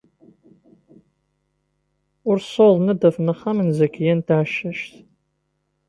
Ur ssawḍen ad d-afen axxam n Zakiya n Tɛeccact.